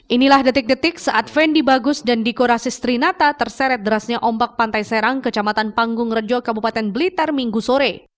inilah detik detik saat fendi bagus dan diko rasis trinata terseret derasnya ombak pantai serang kecamatan panggung rejo kabupaten blitar minggu sore